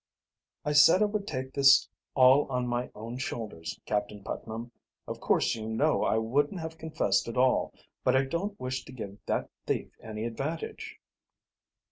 "I said I would take this all on my own shoulders, Captain Putnam. Of course, you know I wouldn't have confessed at all; but I don't wish to give that thief any advantage."